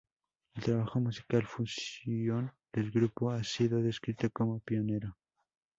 El trabajo musical fusión del grupo ha sido descrito como "pionero".